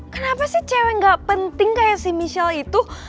kenapa sih cewek gak penting kayak si michelle itu